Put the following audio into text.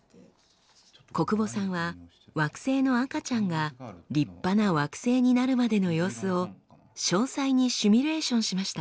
小久保さんは惑星の赤ちゃんが立派な惑星になるまでの様子を詳細にシミュレーションしました。